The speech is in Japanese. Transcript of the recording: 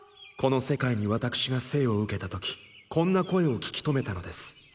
この世界に私が生を受けた時こんな声を聞き留めたのです。